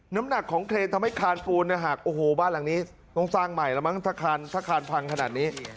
น้ำหนักของเครนทำให้คานปูนหักโอ้โหบ้านหลังนี้ต้องสร้างใหม่แล้วมั้งถ้าคานพังขนาดนี้